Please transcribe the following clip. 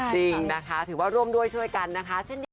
จริงนะคะถือว่าร่วมด้วยช่วยกันนะคะ